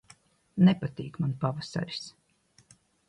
Nepatīk man pavasaris.